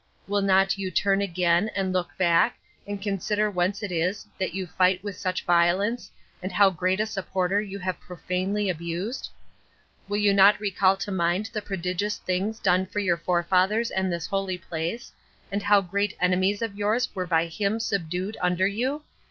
Will not you turn again, and look back, and consider whence it is that you fight with such violence, and how great a Supporter you have profanely abused? Will not you recall to mind the prodigious things done for your forefathers and this holy place, and how great enemies of yours were by him subdued under you?